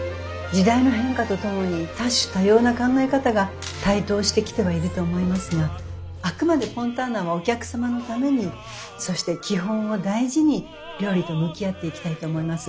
時代の変化とともに多種多様な考え方が台頭してきてはいると思いますがあくまでフォンターナはお客様のためにそして基本を大事に料理と向き合っていきたいと思います。